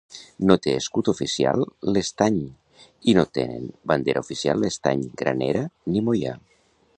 No té escut oficial l'Estany, i no tenen bandera oficial l'Estany, Granera ni Moià.